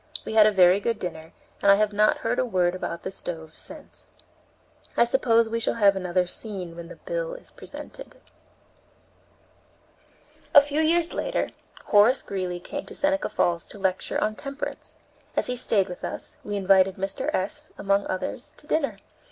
We had a very good dinner, and I have not heard a word about the stoves since. I suppose we shall have another scene when the bill is presented." A few years later, Horace Greeley came to Seneca Falls to lecture on temperance. As he stayed with us, we invited Mr. S., among others, to dinner.